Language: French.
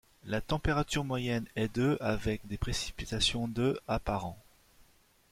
La température moyenne est de avec des précipitations de à par an.